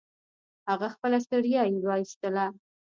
هغه خپله ستړيا يې و ايستله.